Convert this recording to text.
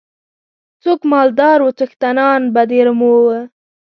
څوک مالدار وو څښتنان به د رمو وو.